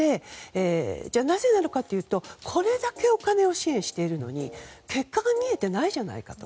なぜなのかというとこれだけお金を支援しているのに結果が見えてないじゃないかと。